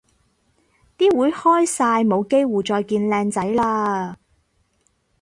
啲會開晒冇機會再見靚仔嘞